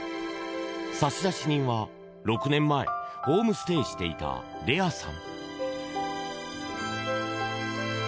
差出人は、６年前ホームステイしていたレアさん。